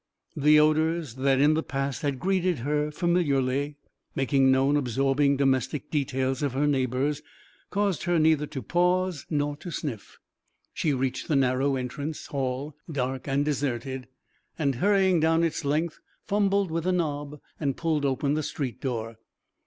The odours that in the past had greeted her familiarly, making known absorbing domestic details of her neighbours, caused her neither to pause nor to sniff. She reached the narrow entrance hall, dark and deserted, and, hurrying down its length, fumbled with the knob and pulled open the street door.